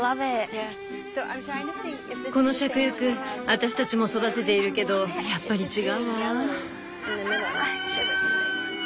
このシャクヤク私たちも育てているけどやっぱり違うわ。